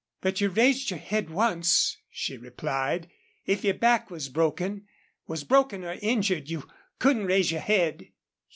"But you raised your head once," she replied. "If your back was was broken or injured you couldn't raise your head."